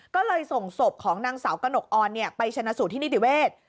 ก็เลยส่งศพของนางสาวกระหนกออนไปชนะสูตรที่นิติเวศ